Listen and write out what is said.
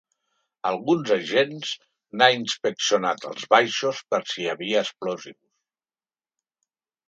Alguns agents n’ha inspeccionat els baixos per si hi havia explosius.